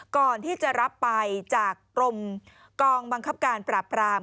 ก่อนที่จะรับไปจากกรมกองบังคับการปราบราม